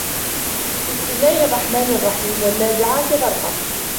بِسْمِ اللَّهِ الرَّحْمَنِ الرَّحِيمِ وَالنَّازِعَاتِ غَرْقًا